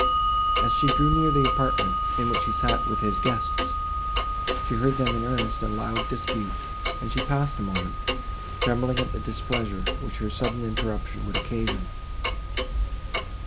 As she drew near the apartment, in which he sat with his guests, she heard them in earnest and loud dispute, and she paused a moment, trembling at the displeasure, which her sudden interruption would occasion.